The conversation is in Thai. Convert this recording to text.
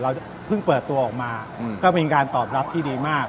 เพิ่งเปิดตัวออกมาก็เป็นการตอบรับที่ดีมาก